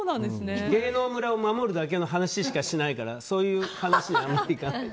芸能村を守るだけの話しかしないからそういう話は。